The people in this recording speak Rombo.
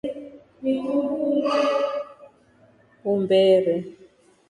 Umberee.